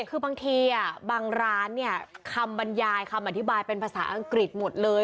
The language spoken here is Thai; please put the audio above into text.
คือบางทีบางร้านเนี่ยคำบรรยายคำอธิบายเป็นภาษาอังกฤษหมดเลย